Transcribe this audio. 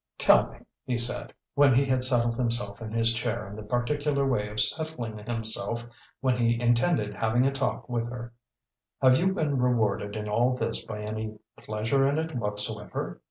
"Tell me," he said, when he had settled himself in his chair in the particular way of settling himself when he intended having a talk with her, "have you been rewarded in all this by any pleasure in it whatsoever?